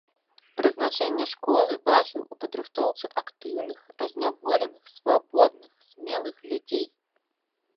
Прызначэнне школы бачыў у падрыхтоўцы актыўных, разняволеных, свабодных, смелых людзей.